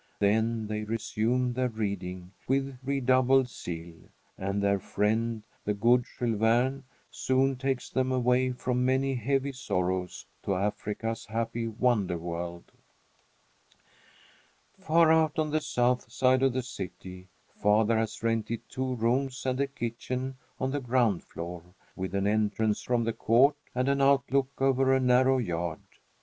Then they resume their reading with redoubled zeal, and their friend, the good Jules Verne, soon takes them away from many heavy sorrows to Africa's happy wonder world. Far out on the south side of the city, father has rented two rooms and a kitchen on the ground floor, with an entrance from the court and an outlook over a narrow yard.